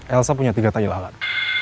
elsa punya tiga tajil alat